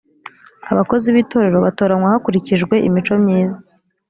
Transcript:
abakozi b itorero batoranywa hakurikijwe imico myiza